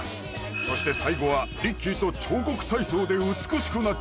そして最後はＲＩＣＫＥＹと彫刻体操で美しくなっ